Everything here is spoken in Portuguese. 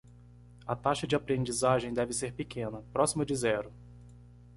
A taxa de aprendizagem deve ser pequena, próxima de zero.